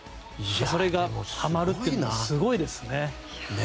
それがはまるというのはすごいですね。